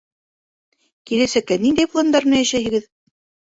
— Киләсәккә ниндәй пландар менән йәшәйһегеҙ?